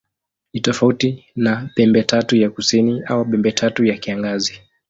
Ni tofauti na Pembetatu ya Kusini au Pembetatu ya Kiangazi.